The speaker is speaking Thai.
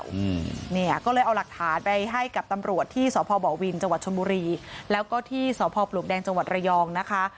อืมเนี่ยก็เลยเอาหลักฐานไปให้กับตำรวจที่สพบวินจังหวัดชนบุรีแล้วก็ที่สพปลวกแดงจังหวัดระยองนะคะ